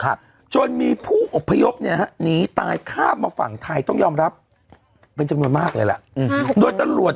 ครับจนมีผู้อบพยพเนี่ยฮะหนีตายข้ามมาฝั่งไทยต้องยอมรับเป็นจำนวนมากเลยล่ะอืมโดยตำรวจ